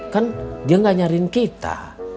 kan dia gak nyariin kita